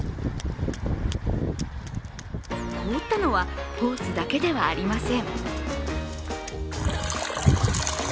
凍ったのは、ホースだけではありません。